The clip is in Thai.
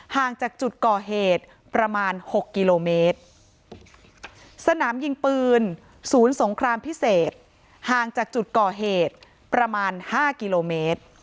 ห่างจากจุดก่อเหตุประมาณ๖กิโลเมตรสนามยิงปืนศูนย์สงครามพิเศษห่างจากจุดก่อเหตุประมาณ๕กิโลเมตร